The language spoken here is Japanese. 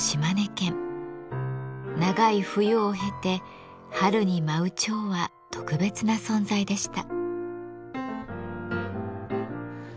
長い冬を経て春に舞う蝶は特別な存在でした。